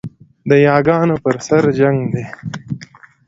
د یاګانو پر سر جنګ دی